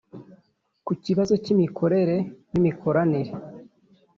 ku kibazo k’imikorere n’imikoranire